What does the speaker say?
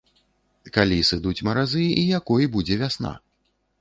Калі сыдуць маразы і якой будзе вясна?